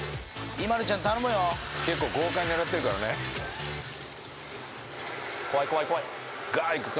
ＩＭＡＬＵちゃん頼むよ結構豪快に洗ってるからね怖い怖い怖いガーッいくか？